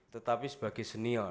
tetapi sebagai senior